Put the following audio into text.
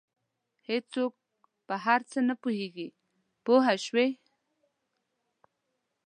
هېڅوک په هر څه نه پوهېږي پوه شوې!.